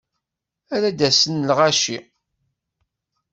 Ad d-asen lɣaci.